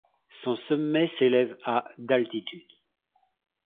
Son sommet s'élève à d'altitude.